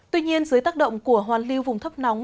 tuy nhiên dưới tác động của hoàn lưu vùng thấp nóng